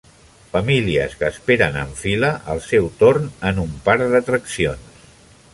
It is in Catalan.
Famílies que esperen en fila el seu torn en un parc d'atraccions.